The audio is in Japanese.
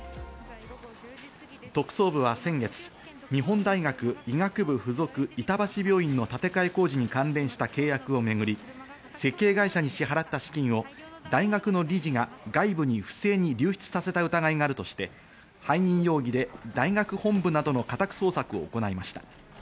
特捜部は先月、日本大学医学部附属板橋病院の建て替え工事に関連した契約をめぐり設計会社に支払った資金を大学の理事が外部に不正に流出させた疑いがあるとして、背任容疑で大学本部などの家宅捜索を行いました。